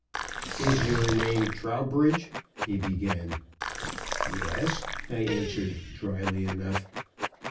"Is your name Trowbridge?" he began. "Yes," I answered, dryly enough.